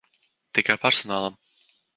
Tikai personālam.